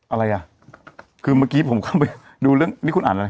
อะไรอ่ะคือเมื่อกี้ผมเข้าไปดูเรื่องนี้คุณอ่านอะไร